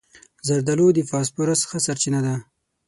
زردالو د فاسفورس ښه سرچینه ده.